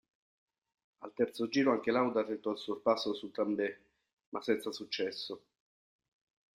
Al terzo giro anche Lauda tentò il sorpasso su Tambay, ma senza successo.